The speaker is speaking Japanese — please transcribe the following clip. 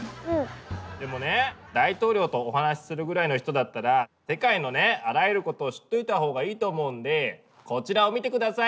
でもね大統領とお話しするぐらいの人だったら世界のねあらゆることを知っておいた方がいいと思うんでこちらを見て下さい。